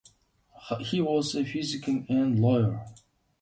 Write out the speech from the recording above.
He was a physician and lawyer.